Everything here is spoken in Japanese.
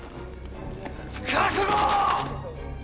覚悟！